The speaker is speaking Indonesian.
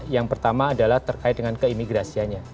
yang pertama adalah terkait dengan keimigrasiannya